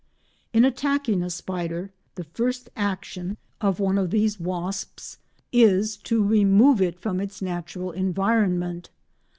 In attacking a spider the first action of one of these wasps is to remove it from its natural environment.